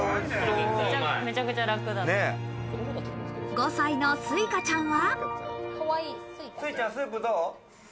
５歳のすいかちゃんは。